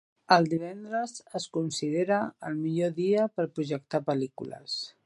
El divendres es considera el millor dia per projectar pel·lícules.